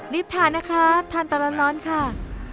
รีบทานนะครับทานตกร้านร้อนค่ะ